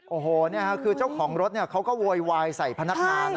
โอ้โหนี่คือเจ้าของรถเขาก็โวยวายใส่พนักงาน